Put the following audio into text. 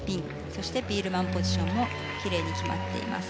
そしてビールマンポジションもきれいに決まっています。